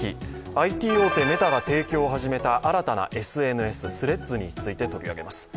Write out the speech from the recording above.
ＩＴ大手メタが提供を始めた新たなＳＮＳ・Ｔｈｒｅａｄｓについて取り上げます。